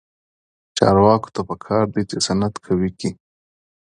چارواکو ته پکار ده چې، صنعت قوي کړي.